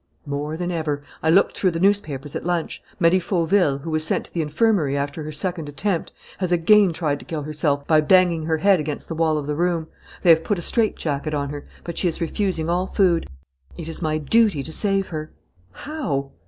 "More than ever. I looked through the newspapers at lunch. Marie Fauville, who was sent to the infirmary after her second attempt, has again tried to kill herself by banging her head against the wall of the room. They have put a straitjacket on her. But she is refusing all food. It is my duty to save her." "How?"